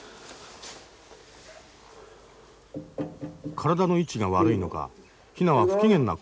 体の位置が悪いのかヒナは不機嫌な声で鳴く。